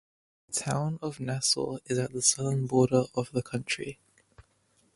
The Town of Nassau is at the southern border of the county.